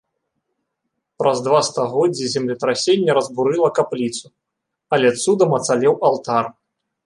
Праз два стагоддзі землетрасенне разбурыла капліцу, але цудам ацалеў алтар.